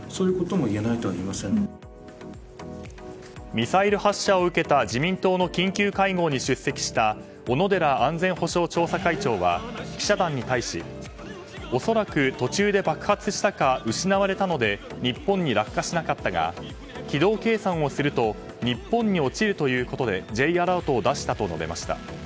ミサイル発射を受けた自民党の緊急会合に出席した小野寺安全保障調査会長は記者団に対し恐らく、途中で爆発したか失われたので日本に落下しなかったが軌道計算をすると日本に落ちるということでＪアラートを出したと述べました。